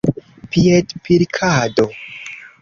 piedpilkado